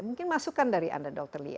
mungkin masukan dari anda dokter li